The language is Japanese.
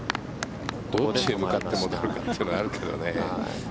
どっちへ向かっても戻るかというのはあるけどね。